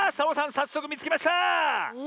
さっそくみつけました！え？